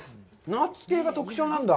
ナッツ系が特徴なんだ？